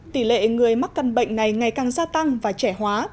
tỷ lệ người mắc căn bệnh này ngày càng gia tăng và trẻ hóa